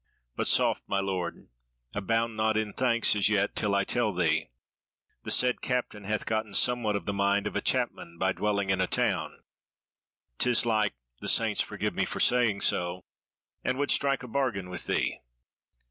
But soft, my Lord! abound not in thanks as yet, till I tell thee. The said Captain hath gotten somewhat of the mind of a chapman by dwelling in a town, 'tis like (the saints forgive me for saying so!) and would strike a bargain with thee."